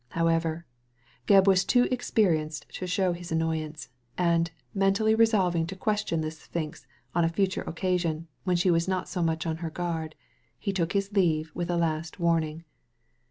However, Gebb was too experienced to show his annoyance, and, mentally resolving to question this Sphinx on a future occa sion, when she was not so much on her guard, he took his leave with a last warning.